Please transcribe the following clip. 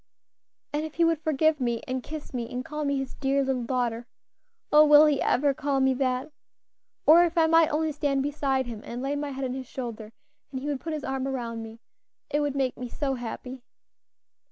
And if he would forgive me, and kiss me, and call me his dear little daughter. Oh! will he ever call me that? Or if I, might only stand beside him and lay my head on his shoulder, and he would put his arm around me, it would make me so happy."